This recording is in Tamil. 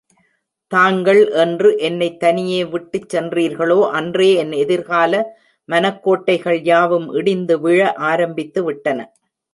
தாங்கள் என்று என்னைத் தனியே விட்டுச் சென்றீர்களோ அன்றே என் எதிர்கால மனக்கோட்டைகள் யாவும் இடிந்து விழ, ஆரம்பித்துவிட்டன.